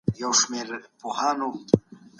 مشرانو به په قانون کي مساوات رامنځته کول.